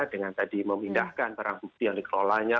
dengan tadi memindahkan barang bukti yang dikelolanya